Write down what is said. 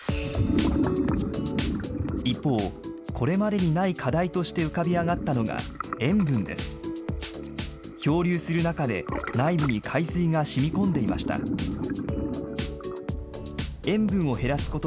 一方、これまでにない課題として浮かび上がったのが、塩分です。